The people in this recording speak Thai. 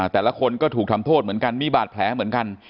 แต่ละคนก็ถูกทำโทษเหมือนกันมีบาดแผลเหมือนกัน